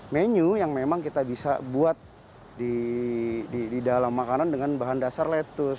menu yang memang kita bisa buat di dalam makanan dengan bahan dasar lettuce